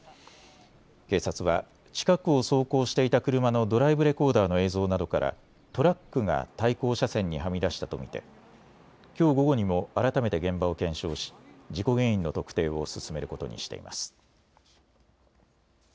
警察は近くを走行していた車のドライブレコーダーの映像などからトラックが対向車線にはみ出したと見てきょう午後にも改めて現場を検証し事故原因の特定を進めることにしています。